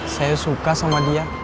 saya suka sama dia